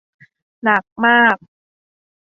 หนักมาก